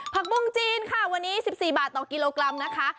ผักบุ้งจีนค่ะวันนี้๑๔บาทต่อกิโลกรัมนะคะ